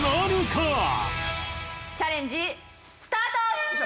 チャレンジスタート！